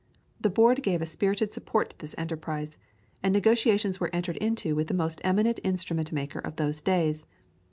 The Board gave a spirited support to this enterprise, and negotiations were entered into with the most eminent instrument maker of those days.